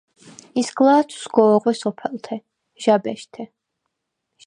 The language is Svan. ისგლა̄თვ სგო̄ღვე სოფელთე, ჟა̄ბეშთე.